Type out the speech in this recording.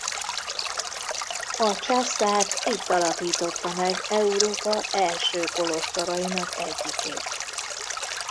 A császár itt alapította meg Európa első kolostorainak egyikét.